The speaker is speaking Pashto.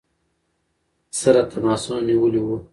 سره تماسونه نیولي ؤ.